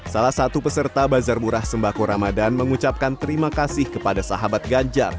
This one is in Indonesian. salah satu peserta bazar murah sembako ramadan mengucapkan terima kasih kepada sahabat ganjar